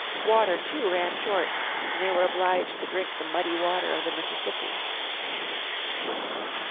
Water too ran short, and they were obliged to drink the muddy water of the Mississippi.